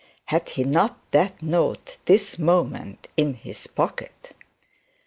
Had he not that note this moment in his pocket?